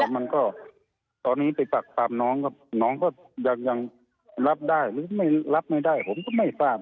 มันก็ตอนนี้ไปปักปามน้องครับน้องก็ยังรับได้หรือไม่รับไม่ได้ผมก็ไม่ทราบ